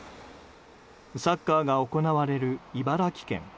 サッカーが行われる茨城県。